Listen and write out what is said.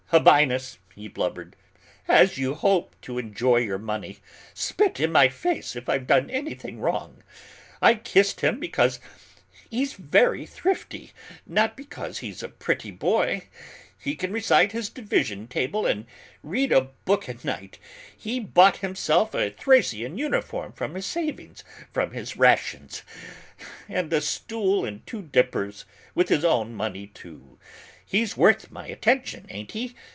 "Habinnas," he blubbered, "as you hope to enjoy your money, spit in my face if I've done anything wrong. I kissed him because he's very thrifty, not because he's a pretty boy. He can recite his division table and read a book at sight: he bought himself a Thracian uniform from his savings from his rations, and a stool and two dippers, with his own money, too. He's worth my attention, ain't he?